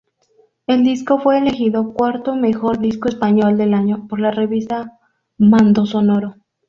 El disco fue elegido cuarto mejor disco español del año por la revista Mondosonoro.